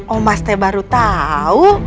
oh mas teh baru tahu